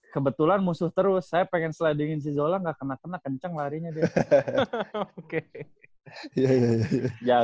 kebetulan musuh terus saya pengen sliding in si zola gak kena kena kenceng larinya dia